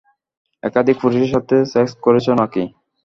একাধিক পুরুষের সাথে সেক্স করেছ নাকি?